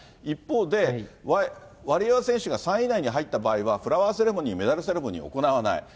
一方で、ワリエワ選手が３位以内に入った場合はフラワーセレモニー、メダルセレモニー行わない。